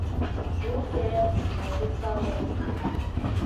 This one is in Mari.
— Уке, огыт пале.